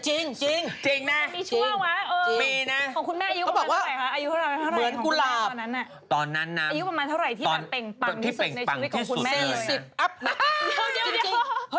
เอาอีกแล้วเอามาอีกแล้วคุณแม่